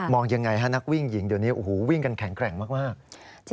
มองอย่างไรฮะนักวิ่งหญิงเดี๋ยวนี้วิ่งกันแข็งแข็งมาก